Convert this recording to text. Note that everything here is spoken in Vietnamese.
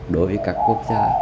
đối với các quốc gia